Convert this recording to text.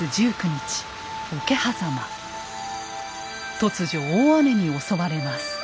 突如大雨に襲われます。